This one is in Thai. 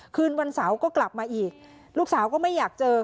คืนวันเสาร์ก็กลับมาอีกลูกสาวก็ไม่อยากเจอ